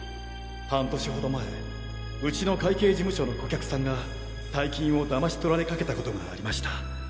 半年ほど前うちの会計事務所の顧客さんが大金を騙し取られかけたことがありました。